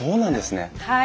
はい。